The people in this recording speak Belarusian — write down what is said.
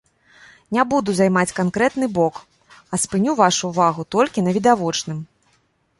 Не буду займаць канкрэтныя бок, а спыню вашу ўвагу толькі на відавочным.